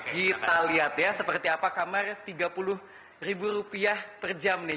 kita lihat ya seperti apa kamar rp tiga puluh ribu rupiah per jam nih